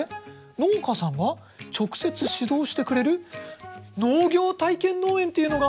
農家さんが直接指導してくれる農業体験農園っていうのがあるの？